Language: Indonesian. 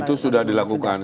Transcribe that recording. itu sudah dilakukan